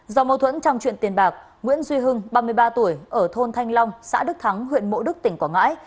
do mâu thuẫn trong chuyện tiền bạc nguyễn duy hưng ba mươi ba tuổi ở thôn thanh long xã đức thắng huyện mộ đức tỉnh quảng ngãi